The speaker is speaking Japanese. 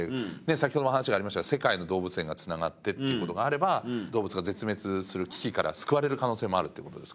先ほども話がありましたが世界の動物園がつながってってことがあれば動物が絶滅する危機から救われる可能性もあるってことですから。